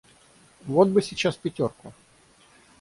Вот бы сейчас пятерку!